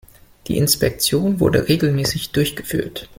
Die Inspektion wurde regelmäßig durchgeführt.